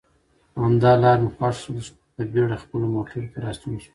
همدا لار مې خوښه شول، په بېړه خپلو موټرو ته راستون شوم.